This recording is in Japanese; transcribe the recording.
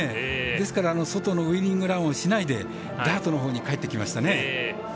ですから外のウイニングランをせずにダートのほうに帰ってきましたね。